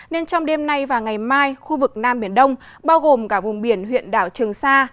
nên trong đêm nay và ngày mai khu vực nam biển đông bao gồm cả vùng biển huyện đảo trường sa